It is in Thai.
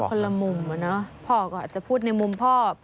พ่อก็อาจจะพูดในมุมพ่อ